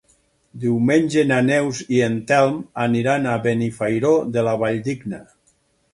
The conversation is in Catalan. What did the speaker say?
Diumenge na Neus i en Telm aniran a Benifairó de la Valldigna.